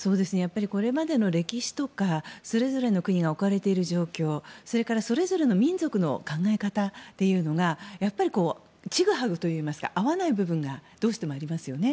これまでの歴史とかそれぞれの国が置かれている状況それぞれの民族の考え方というのがちぐはぐといいますか合わない部分がどうしてもありますよね。